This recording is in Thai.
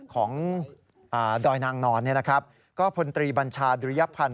ของดอยนางนอนเนี่ยนะครับก็พนตรีบัญชาดุรยภัณฑ์